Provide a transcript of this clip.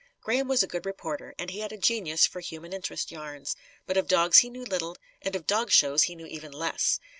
Graham was a good reporter, and he had a genius for human interest yarns. But of dogs he knew little, and of dog shows he knew even less.